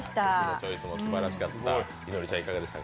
チョイスもすばらしかった。